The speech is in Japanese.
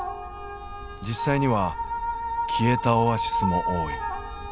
実際には消えたオアシスも多い。